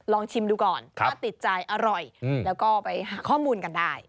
ลองชิมดูก่อนถ้าติดใจอร่อยแล้วก็ไปข้อมูลกันได้